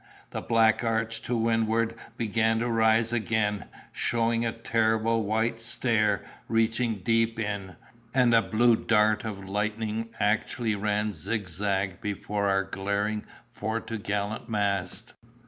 The black arch to windward began to rise again, showing a terrible white stare reaching deep in, and a blue dart of lightning actually ran zigzag before our glaring fore to' gallant mast.